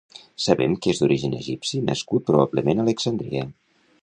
Sabem que és d'origen egipci nascut probablement a Alexandria.